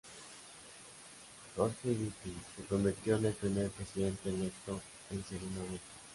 Jorge Batlle se convirtió en el primer presidente electo en segunda vuelta.